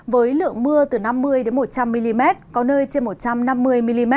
với lượng mưa từ năm mươi một trăm linh mm có nơi trên một trăm năm mươi mm